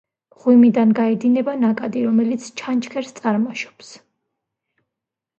მღვიმიდან გაედინება ნაკადი, რომელიც ჩანჩქერს წარმოშობს.